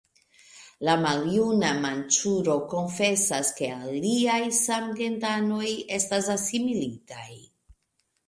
La maljuna manĉuro konfesas ke liaj samgentanoj estas asimilitaj.